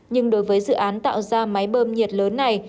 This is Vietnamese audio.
nhưng đối với dự án tạo ra máy bơm nhiệt lớn này